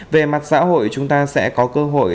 về mặt xã hội chúng ta sẽ có cơ hội